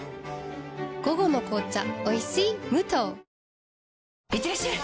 午後の紅茶おいしい無糖いってらっしゃい！